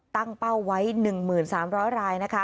ตั้งเป้าไว้๑๓๐๐รายนะคะ